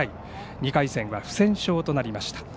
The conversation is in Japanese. ２回戦は不戦勝となりました。